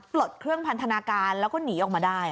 ลดเครื่องพันธนาการแล้วก็หนีออกมาได้